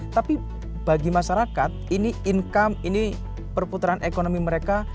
tapi bagi masyarakat ini income ini perputaran ekonomi mereka